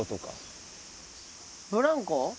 ブランコ？